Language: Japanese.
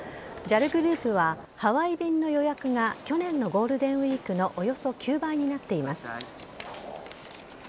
ＪＡＬグループはハワイ便の予約が去年のゴールデンウィークのおよそ９倍になっています。